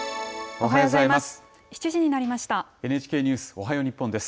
おはようございます。